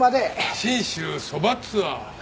信州そばツアー。